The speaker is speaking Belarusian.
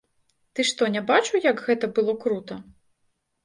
Ты што не бачыў, як гэта было крута?